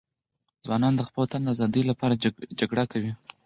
ځوانان د خپل وطن د آزادي لپاره جګړه کوي.